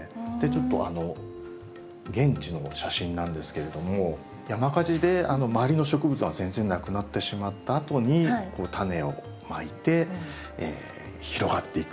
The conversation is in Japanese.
ちょっと現地の写真なんですけれども山火事で周りの植物は全然無くなってしまったあとにこのタネをまいて広がっていくという。